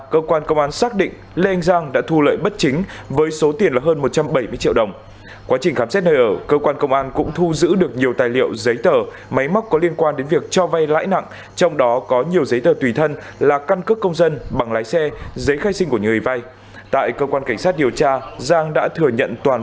cơ quan công an xác định chỉ tính riêng một tài khoản đối tượng thành đã sử dụng ba tài khoản đối tượng thành đã sử dụng ba tài khoản đối tượng thành đã sử dụng ba tài khoản